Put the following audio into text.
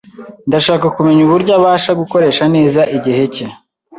Ndashaka kumenya uburyo abasha gukoresha neza igihe cye.